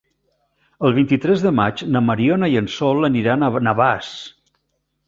El vint-i-tres de maig na Mariona i en Sol aniran a Navàs.